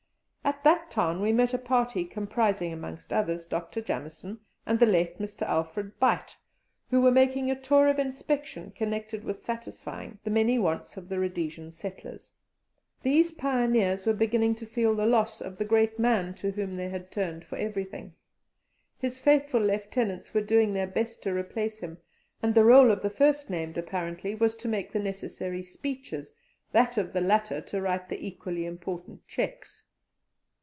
At that town we met a party, comprising, amongst others, Dr. Jameson and the late Mr. Alfred Beit, who were making a tour of inspection connected with satisfying the many wants of the Rhodesian settlers. These pioneers were beginning to feel the loss of the great man to whom they had turned for everything. His faithful lieutenants were doing their best to replace him, and the rôle of the first named, apparently, was to make the necessary speeches, that of the latter to write the equally important cheques.